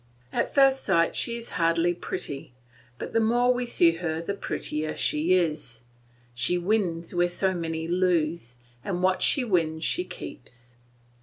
At first sight she is hardly pretty; but the more we see her the prettier she is; she wins where so many lose, and what she wins she keeps.